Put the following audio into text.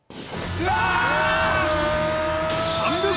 うわ！